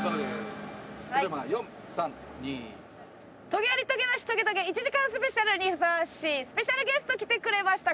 『トゲアリトゲナシトゲトゲ』１時間スペシャルにふさわしいスペシャルゲスト来てくれました。